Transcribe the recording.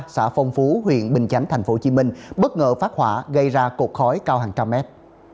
xã phong phú huyện bình chánh tp hcm bất ngờ phát hỏa gây ra cột khói cao hàng trăm mét